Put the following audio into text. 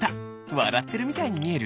わらってるみたいにみえる？